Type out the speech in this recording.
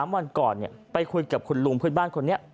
วันก่อนไปคุยกับคุณลุงพื้นบ้านคนนี้